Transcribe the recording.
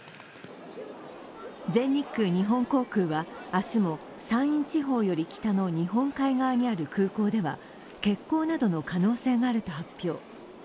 全日空、日本航空は明日も山陰地方より北の日本海側にある空港では欠航などの可能性があると発表。